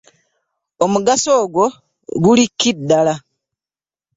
Omugaso gwo guli ki ddala?